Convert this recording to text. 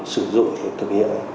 sử dụng để thực hiện